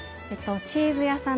チーズ屋さん